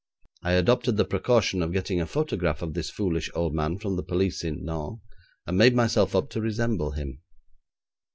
I adopted the precaution of getting a photograph of this foolish old man from the police at Nantes, and made myself up to resemble him.